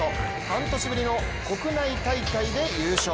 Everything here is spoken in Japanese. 半年ぶりの国内大会で優勝。